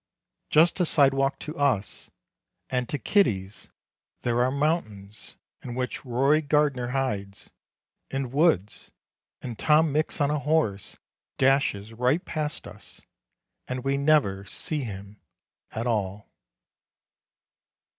Just a sidewalk to us and to kiddies there are mountains in which Roy Gardner hides, and woods, and Tom Mix on a horse dashes right past us and we never see him at all.